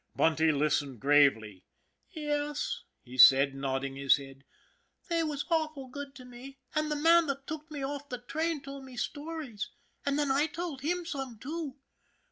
Bunty listened gravely. " Yes/' he said, nodding his head ;" they was awful good to me, and the man that tooked me off the train told me stories, and then I told him some, too."